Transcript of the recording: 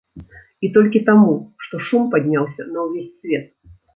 І толькі таму, што шум падняўся на ўвесь свет.